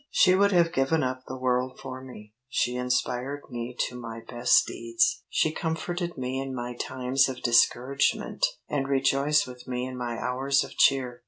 She would have given up the world for me; she inspired me to my best deeds; she comforted me in my times of discouragement and rejoiced with me in my hours of cheer.